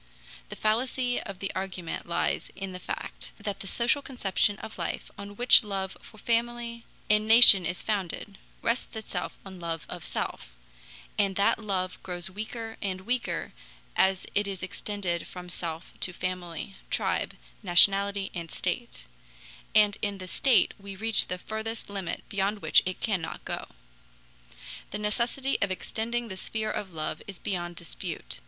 The fallacy of the argument lies in the fact that the social conception of life, on which love for family and nation is founded, rests itself on love of self, and that love grows weaker and weaker as it is extended from self to family, tribe, nationality, and slate; and in the state we reach the furthest limit beyond which it cannot go. The necessity of extending the sphere of love is beyond dispute.